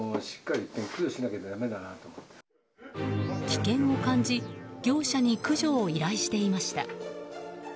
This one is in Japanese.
危険を感じ業者に駆除を依頼していました。